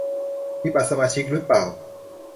มีบัตรสมาชิกรึเปล่า